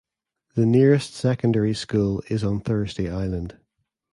The nearest secondary school is on Thursday Island.